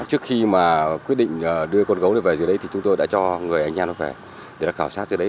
trước khi mà quyết định đưa con gấu này về dưới đấy thì chúng tôi đã cho người anh em nó phải để khảo sát dưới đấy